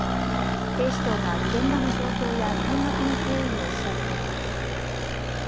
警視庁が現場の状況や転落の経緯を調べています。